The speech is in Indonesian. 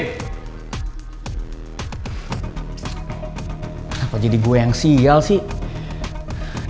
kenapa jadi gue yang sial sih